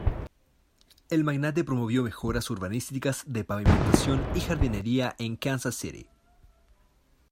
El magnate promovió mejoras urbanísticas de pavimentación y jardinería en Kansas City.